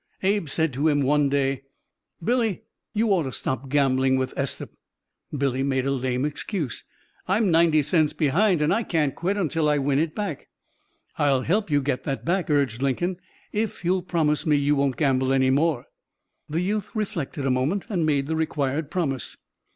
Abe said to him one day: "Billy, you ought to stop gambling with Estep." Billy made a lame excuse: "I'm ninety cents behind, and I can't quit until I win it back." "I'll help you get that back," urged Lincoln, "if you'll promise me you won't gamble any more." The youth reflected a moment and made the required promise.